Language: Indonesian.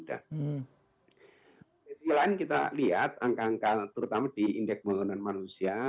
di sisi lain kita lihat angka angka terutama di indeks pembangunan manusia